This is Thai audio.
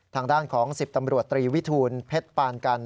ทางด้านของ๑๐ตำรวจตรีวิทูลเพชรปานกัน